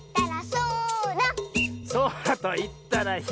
「そらといったらひろい！」